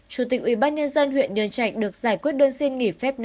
chủ tịch ủy ban nhân dân huyện nhân trạch được giải quyết đơn xin nghỉ phép năm